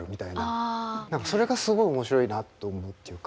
何かそれがすごい面白いなと思うっていうか。